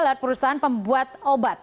lihat perusahaan pembuat obat